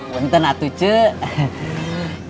bukan lah tuh cuy